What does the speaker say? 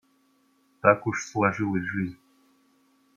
Так уж сложилась жизнь.